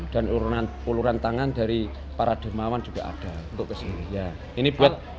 dan uluran tangan dari para demawan juga ada